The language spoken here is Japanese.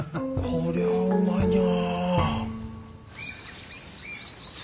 こりゃあうまいねや。